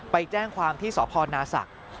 ไปแจ้งความที่สพนาศักดิ์